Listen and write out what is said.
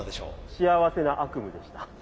幸せな悪夢でした。